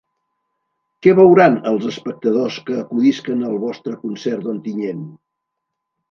Què veuran els espectadors que acudisquen al vostre concert d’Ontinyent?